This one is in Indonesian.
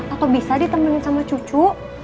atau bisa ditemenin sama cucu